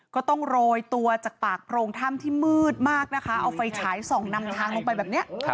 ก็ต้องลอยตัวกรปากโพรงท่ำที่มืดมากเอาไฟฉายส่องนับทางลงไปแบบนี้